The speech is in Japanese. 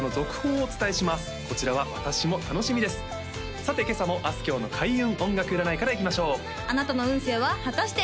さて今朝もあすきょうの開運音楽占いからいきましょうあなたの運勢は果たして？